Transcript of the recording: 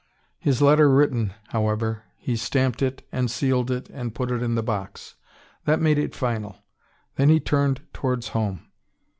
His letter written, however, he stamped it and sealed it and put it in the box. That made it final. Then he turned towards home.